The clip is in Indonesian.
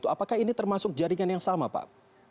apakah ini termasuk jaringan yang sama pak